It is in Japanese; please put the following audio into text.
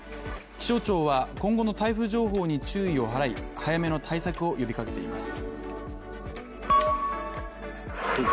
気象庁は今後の台風情報に注意を払い早めの対策を呼びかけています。